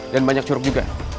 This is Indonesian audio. dan banyak curug juga